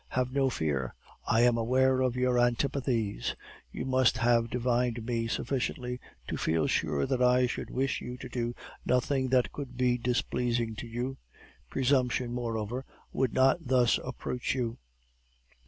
Have no fear; I am aware of your antipathies; you must have divined me sufficiently to feel sure that I should wish you to do nothing that could be displeasing to you; presumption, moreover, would not thus approach you.